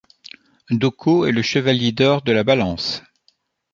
Dohko est le Chevalier d’Or de la Balance.